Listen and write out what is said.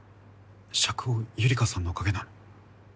釈放ゆりかさんのおかげなの？